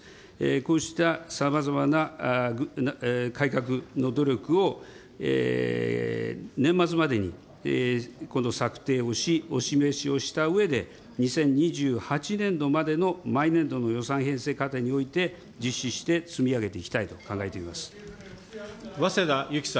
こうしたさまざまな改革の努力を年末までに策定をし、お示しをしたうえで、２０２８年度までの毎年度の予算編成過程において実施して積み上げていきたいと考えています。